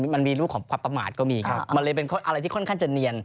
มันมีลูกของความประมาทก็มีครับมันเลยเป็นอะไรที่ค่อนข้างจะเนียน